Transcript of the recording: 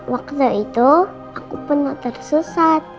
waktu itu aku pernah sesat